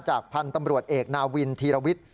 จากพันธุ์ตำรวจเอกนาวินธีรวิทย์